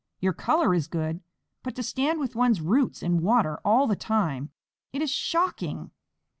Your color is good, but to stand with one's roots in water all the time! It is shocking."